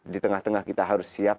di tengah tengah kita harus siap